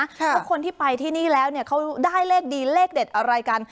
ว่าคนที่ไปที่นี่แล้วเขาได้เลขดีเลขเด็ดอะไรกัน